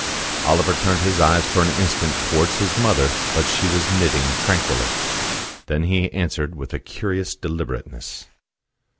Oliver turned his eyes for an instant towards his mother, but she was knitting tranquilly. Then he answered with a curious deliberateness.